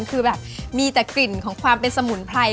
คือแบบมีแต่กลิ่นของความเป็นสมุนไพร